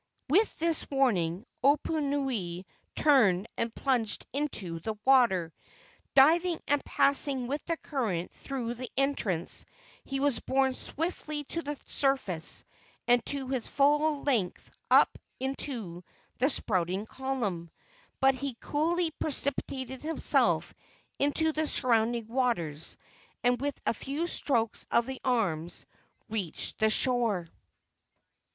With this warning Oponui turned and plunged into the water. Diving and passing with the current through the entrance, he was borne swiftly to the surface and to his full length up into the spouting column; but he coolly precipitated himself into the surrounding waters, and with a few strokes of the arms reached the shore.